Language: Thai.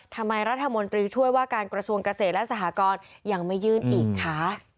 รัฐมนตรีช่วยว่าการกระทรวงเกษตรและสหกรยังไม่ยื่นอีกคะ